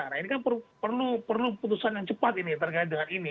nah ini kan perlu putusan yang cepat ini terkait dengan ini